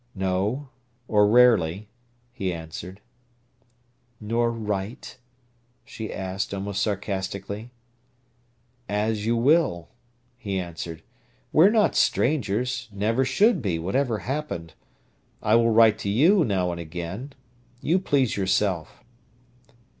"No—or rarely," he answered. "Nor write?" she asked, almost sarcastically. "As you will," he answered. "We're not strangers—never should be, whatever happened. I will write to you now and again. You please yourself."